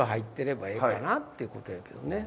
って事やけどね。